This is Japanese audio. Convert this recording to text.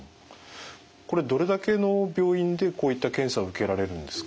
これどれだけの病院でこういった検査を受けられるんですか？